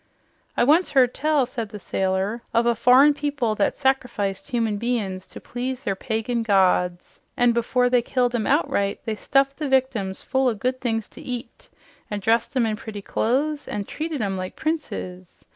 "I once heard tell," said the sailor, "of a foreign people that sacrificed humans to please their pagan gods, an' before they killed 'em outright they stuffed the victims full of good things to eat an' dressed 'em in pretty clothes an' treated 'em like princes.